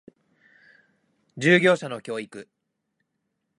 従業者の教育